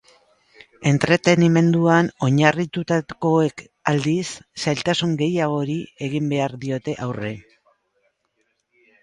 Entretenimenduan oinarritutakoek, aldiz, zailtasun gehiagori egin behar diote aurre.